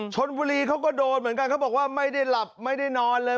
ชนบุรีเขาก็โดนเหมือนกันเขาบอกว่าไม่ได้หลับไม่ได้นอนเลย